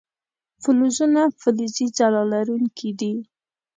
فلزونه فلزي ځلا لرونکي دي.